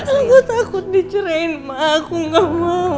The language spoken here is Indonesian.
aku takut dicerain ma aku gak mau